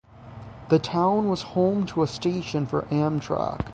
The town was home to a station for Amtrak.